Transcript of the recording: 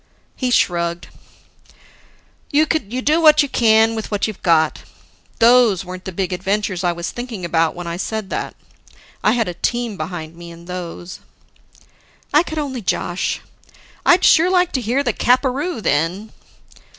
He shrugged. "You do what you can with what you've got. Those weren't the big adventures I was thinking about when I said that. I had a team behind me in those " I could only josh. "I'd sure like to hear the capperoo then."